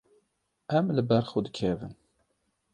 Em li ber xwe dikevin.